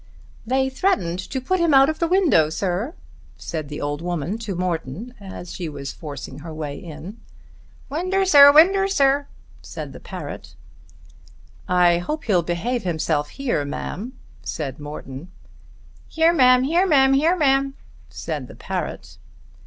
"They threatened to put him out of the window, sir," said the old woman to Morton as she was forcing her way in. "Windersir, windersir," said the parrot. "I hope he'll behave himself here, ma'am," said Morton. "Heremam, heremam, heremam," said the parrot.